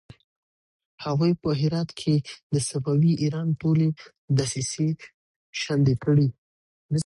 هغوی په هرات کې د صفوي ایران ټولې دسيسې شنډې کړې.